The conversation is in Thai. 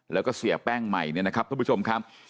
แล้วก็เสียแป้งใหม่เนี่ยนะครับทุกผู้ชมครับ